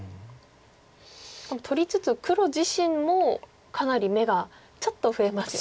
しかも取りつつ黒自身もかなり眼がちょっと増えますよね。